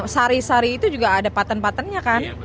sari sari itu juga ada patent patternnya kan